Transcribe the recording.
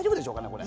これ。